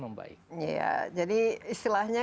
membaik jadi istilahnya